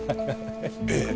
ええ。